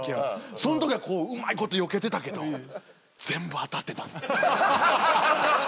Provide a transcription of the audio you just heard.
そのときはこううまいことよけてたけど全部当たってたんです。